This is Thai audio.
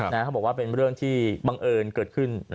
เขาบอกว่าเป็นเรื่องที่บังเอิญเกิดขึ้น